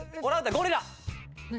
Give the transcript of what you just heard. ゴリラ。